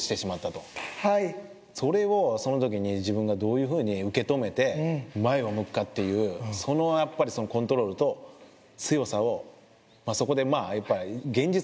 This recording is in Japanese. それをその時に自分がどういうふうに受け止めて前を向くかっていうそのやっぱりそのコントロールと強さをそこでまあやっぱり。